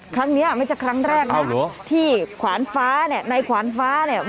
ครั้งนี้ไม่ใช่ครั้งแรกนะที่ขวานฟ้าเนี่ยในขวานฟ้าเนี่ย